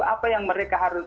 apa yang mereka harus